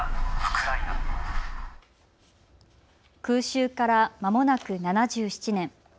空襲からまもなく７７年。